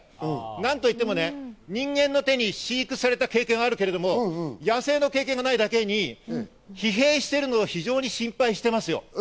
なんといっても人間の手で飼育された経験はあるけど、野生の経験がないだけに、疲弊しているのが事を非常に心配しています。